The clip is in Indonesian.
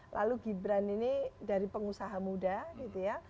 lalu gibran ini dari pengusaha muda gitu ya